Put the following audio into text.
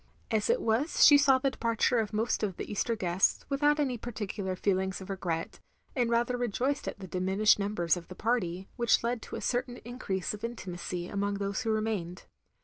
As it was she saw the departttre of most of the Easter guests, without any particular feelings of regret; and rather rejoiced at the diminished numbers of the party, which led to a certain increase of intimacy among those who remained.